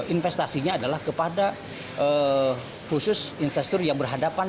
investasinya adalah kepada khusus investor yang berhadapan